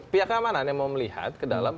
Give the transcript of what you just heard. pihak keamanan yang mau melihat ke dalam